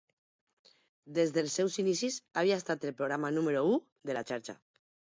Des dels seus inicis, havia estat el programa número u de la xarxa.